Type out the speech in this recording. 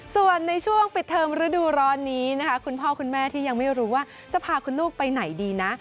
ส่วนในช่วงปิดเทอมฤดูร้อนนี้นะคะคุณพ่อคุณแม่ที่ยังไม่รู้ว่าจะพาคุณลูกไปไหนดีนะ